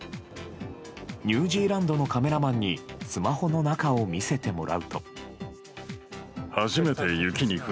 ニュージーランドのカメラマンにスマホの中を見せてもらうと。